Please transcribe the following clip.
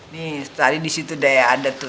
nih tadi di situ daya ada tuh